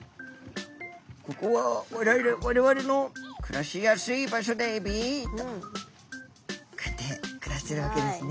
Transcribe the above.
「ここは我々の暮らしやすい場所だエビ」とこうやって暮らしてるわけですね。